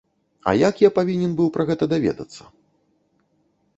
А як я павінен быў пра гэта даведацца?